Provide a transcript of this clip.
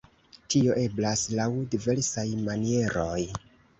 Tio eblas laŭ diversaj manieroj.